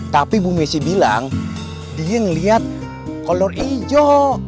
tapi bu messi bilang dia ngelihat kolor ijo